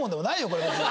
これ別に。